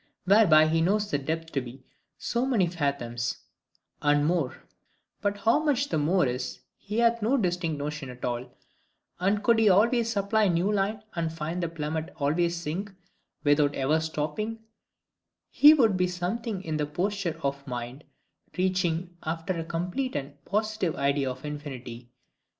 Whereby he knows the depth to be so many fathoms, and more; but how much the more is, he hath no distinct notion at all: and could he always supply new line, and find the plummet always sink, without ever stopping, he would be something in the posture of the mind reaching after a complete and positive idea of infinity.